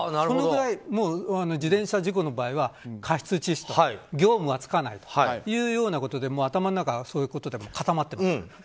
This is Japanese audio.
そのぐらい自転車事故の場合は過失致死業務はつかないということでもう頭の中はそういうことで固まっている。